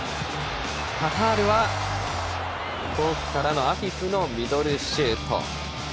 カタールは遠くからのミドルシュート。